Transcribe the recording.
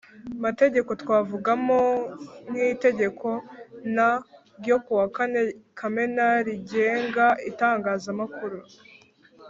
mategeko twavugamo nk Itegeko n ryo ku wa kane kamena rigenga itangazamakuru